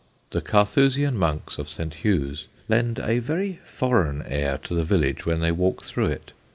The Carthusian monks of St. Hugh's lend a very foreign air to the village when they walk through it.